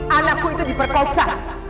anakku itu diperkosa